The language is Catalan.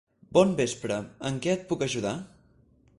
Bon vespre. En què et puc ajudar?